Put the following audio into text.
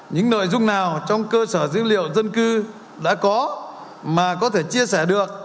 những nội dung nào trong cơ sở dữ liệu dân cư đã có mà có thể chia sẻ được